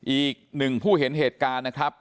อีกหนึ่งผู้เห็นเหตุการณ์นะครับ